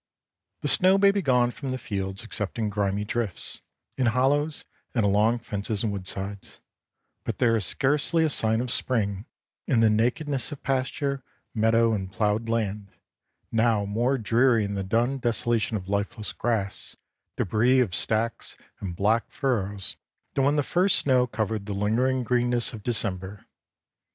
The snow may be gone from the fields except in grimy drifts, in hollows and along fences and woodsides; but there is scarcely a sign of spring in the nakedness of pasture, meadow, and ploughed land, now more dreary in the dun desolation of lifeless grass, débris of stacks, and black furrows than when the first snow covered the lingering greenness of December.